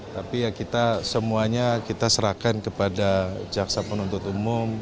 tapi ya kita semuanya kita serahkan kepada jaksa penuntut umum